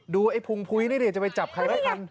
ดูไอ้พุงพุยนี่เลยจะไปจับใครกัน